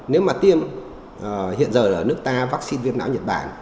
nếu mà tiêm hiện giờ ở nước ta vắc xin viêm não nhật bản